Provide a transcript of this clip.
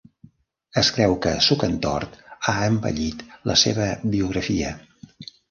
Es creu que Zukertort ha embellit la seva biografia.